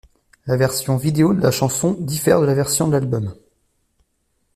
La version vidéo de la chanson diffère de la version de l'album.